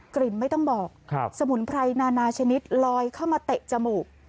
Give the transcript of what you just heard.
ไม่ต้องบอกสมุนไพรนานาชนิดลอยเข้ามาเตะจมูก